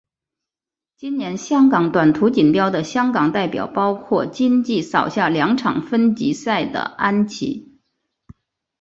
今年香港短途锦标的香港代表包括今季扫下两场分级赛的安畋。